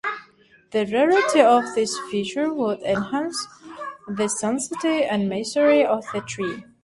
The rarity of this feature would enhance the sanctity and mystery of the tree.